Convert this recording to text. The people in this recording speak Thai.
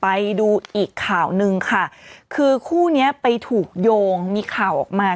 ไปดูอีกข่าวหนึ่งค่ะคือคู่เนี้ยไปถูกโยงมีข่าวออกมา